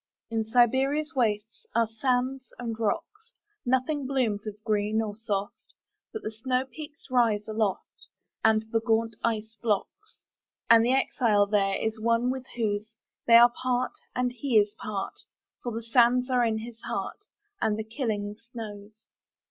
In Siberia's wastesAre sands and rocks. Nothing blooms of green or soft, But the snowpeaks rise aloftAnd the gaunt ice blocks. And the exile thereIs one with those; They are part, and he is part, For the sands are in his heart, And the killing snows.